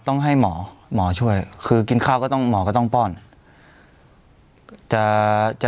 ต้องให้หมอหมอช่วยคือกินข้าวก็ต้องหมอก็ต้องป้อนจะ